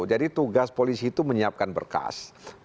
jadi tugas polisi itu menyiapkan berkas